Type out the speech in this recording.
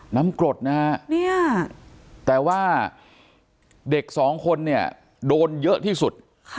กรดนะฮะแต่ว่าเด็กสองคนเนี่ยโดนเยอะที่สุด